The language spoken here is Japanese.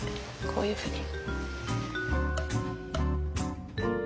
こういうふうに。